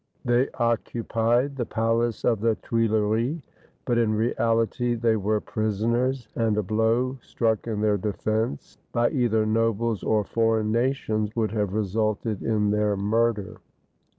They occupied the palace of the Tuileries, but in reality they were prisoners, and a blow struck in their defense by either nobles or foreign nations would have resulted in their murder.